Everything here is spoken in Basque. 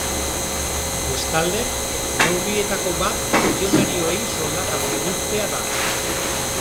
Bestalde, neurrietako bat funtzionarioei soldata murriztea da.